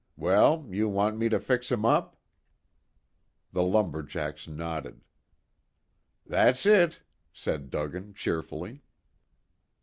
Well, you want me to fix him up?" The lumber jacks nodded. "That's it," said Duggan cheerfully.